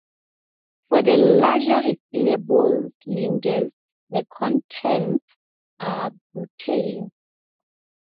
For the larger refillable cylinders the contents are butane.